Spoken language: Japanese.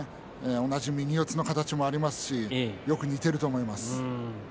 同じ右四つの形もありますしよく似ていると思います。